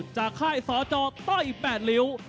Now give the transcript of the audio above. จากค่ายสอจอต้อย๘ริ้ว